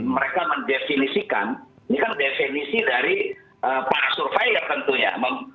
mereka mendefinisikan ini kan definisi dari para surveyor tentunya